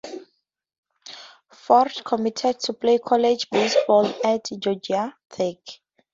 Ford committed to play college baseball at Georgia Tech.